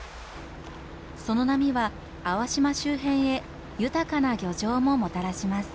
その波は粟島周辺へ豊かな漁場ももたらします。